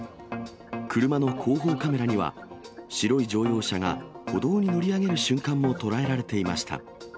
車の後方カメラには、白い乗用車が歩道に乗り上げる瞬間も捉えられていました。